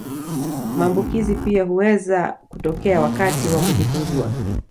Maambukizi pia huweza kutokea wakati wa kujifungua